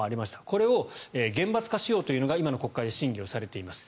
これを厳罰化しようというのが今の国会で審議をされています。